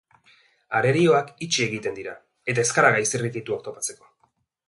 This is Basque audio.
Arerioak itxi egiten dira eta ez gara gai zirrikituak topatzeko.